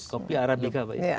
kopi arab juga ya pak